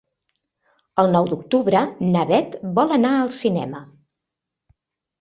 El nou d'octubre na Bet vol anar al cinema.